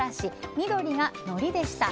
緑がのりでした。